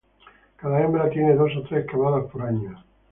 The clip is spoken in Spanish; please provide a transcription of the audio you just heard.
Cada hembra tiene dos o tres camadas por año.